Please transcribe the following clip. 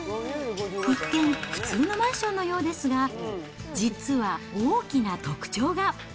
一見、普通のマンションのようですが、実は大きな特徴が。